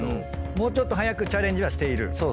もうちょっと早くチャレンジはしている？